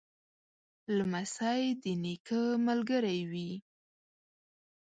لمسی د نیکه ملګری وي.